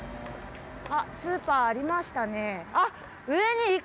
あっスーパーありましたね。